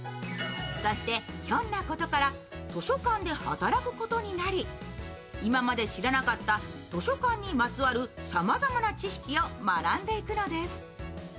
そして、ひょんなことから図書館で働くことになり今まで知らなかった図書館にまつわるさまざまな知識を学んでいくのです。